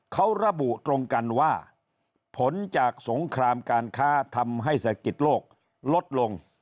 เขาระบุตรงกันว่าผลจากสงครามการค้าทำให้เศรษฐกิจโลกลดลง